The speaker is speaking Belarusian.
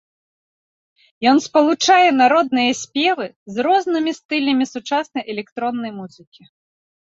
Ён спалучае народныя спевы з рознымі стылямі сучаснай электроннай музыкі.